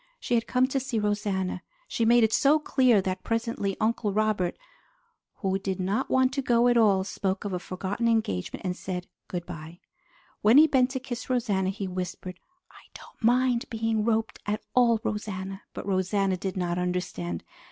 She had come to see Rosanna. She made it so clear that presently Uncle Robert, who did not want to go at all, spoke of a forgotten engagement and said good by. When he bent to kiss Rosanna, he whispered, "I don't mind being roped at all, Rosanna!" but Rosanna did not understand.